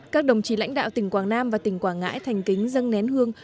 các đồng chí lãnh đạo tỉnh quảng nam và tỉnh quảng ngãi thành kính dâng nén hương